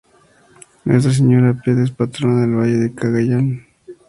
Nuestra Señora de Piat es patrona de Valle del Cagayán.